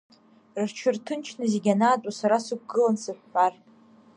Рҽырҭынчны зегь анаатәо, сара сықәгылан сыҳәҳәар…